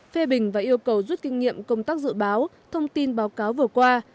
phê bình và yêu cầu rút kinh nghiệm công tác dự báo thông tin báo cáo vừa qua